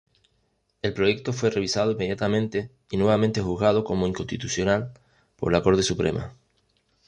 El proyecto fue revisado inmediatamente y nuevamente juzgado como inconstitucional por la Corte Suprema.